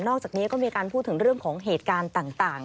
อกจากนี้ก็มีการพูดถึงเรื่องของเหตุการณ์ต่าง